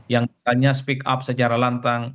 yang misalnya speak up secara lantang